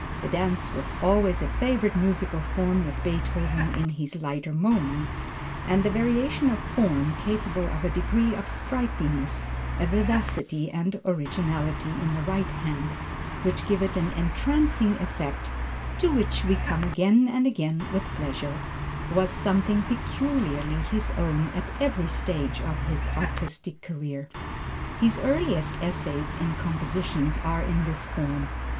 The dance was always a favorite musical form with Beethoven in his lighter moments, and the variation form, capable of a degree of sprightliness, vivacity and originality in the right hands which give it an entrancing effect, to which we come again and again with pleasure, was something peculiarly his own at every stage of his artistic career. His earliest essays in composition are in this form.